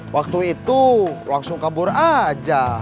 waktu itu langsung kabur aja